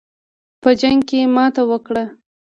په جنګ کې ماته وکړه.